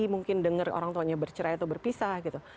mungkin dengar orang tuanya bercerai atau berpisah gitu